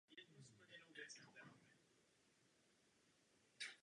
Útočníci se někdy snažili dostat obránce rychle z města.